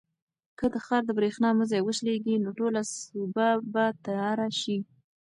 که د ښار د برېښنا مزي وشلېږي نو ټوله سوبه به تیاره شي.